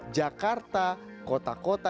jakarta kota kota